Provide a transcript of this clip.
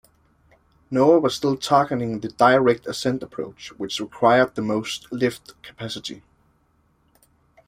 Nova was still targeting the direct ascent approach, which required the most lift capacity.